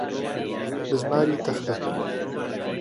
بزماری تەختە.